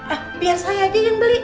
eh biar saya aja yang beli